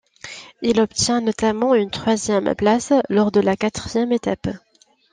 Il obtient notamment une troisième place lors de la quatrième étape.